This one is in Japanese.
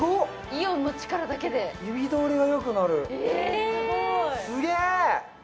イオンの力だけで指どおりがよくなるすごーいすげー！